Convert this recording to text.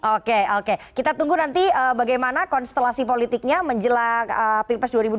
oke oke kita tunggu nanti bagaimana konstelasi politiknya menjelang pilpres dua ribu dua puluh